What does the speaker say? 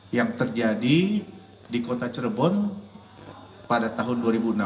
yang terjadi di kota cirebon pada tahun dua ribu enam belas